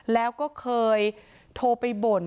แล้วก็เคยโทรไปบ่น